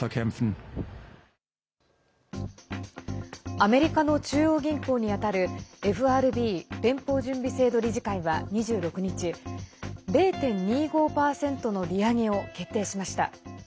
アメリカの中央銀行に当たるＦＲＢ＝連邦準備制度理事会は２６日、０．２５％の利上げを決定しました。